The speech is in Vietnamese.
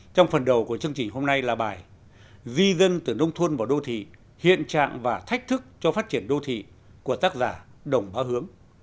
trong phần đầu của chương trình hôm nay là bài di dân từ nông thôn vào đô thị hiện trạng và thách thức cho phát triển đô thị của tác giả đồng bá hướng